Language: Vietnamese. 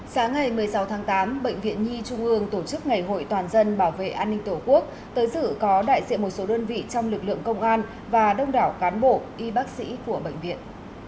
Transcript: sáng ngày một mươi sáu tháng tám bệnh viện nhi trung ương tổ chức ngày hội toàn dân bảo vệ an ninh tổ quốc tới dự có đại diện một số đơn vị trong lực lượng công an và đông đảo cán bộ y bác sĩ của bệnh viện